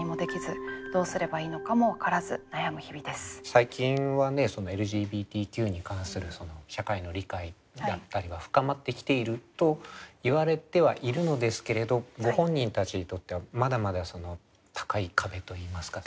最近はねＬＧＢＴＱに関する社会の理解だったりは深まってきているといわれてはいるのですけれどご本人たちにとってはまだまだ高い壁といいますか。